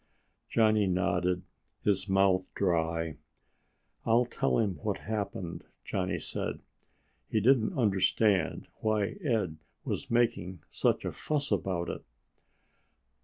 Johnny nodded, his mouth dry. "I'll tell him what happened," Johnny said. He didn't understand why Ed was making such a fuss about it.